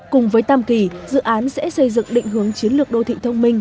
cùng với tam kỳ dự án sẽ xây dựng định hướng chiến lược đô thị thông minh